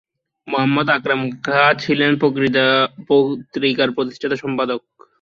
মোহাম্মদ আকরম খাঁ ছিলেন পত্রিকার প্রতিষ্ঠাতা সম্পাদক।